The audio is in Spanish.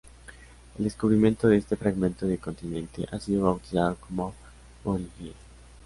El descubrimiento de este fragmento de continente ha sido bautizado como Mauritia.